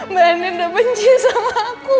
mbak eni udah benci sama aku